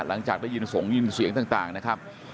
หลังจากได้ยินสงยินเสียงต่างนะครับ